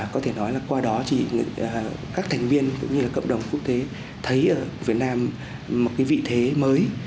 có thể nói là qua đó thì các thành viên cũng như là cộng đồng quốc tế thấy ở việt nam một cái vị thế mới